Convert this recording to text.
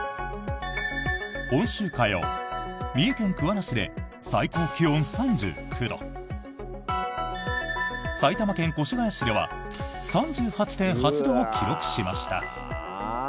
今週火曜三重県桑名市で最高気温３９度埼玉県越谷市では３８．８度を記録しました。